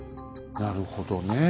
なるほどねえ。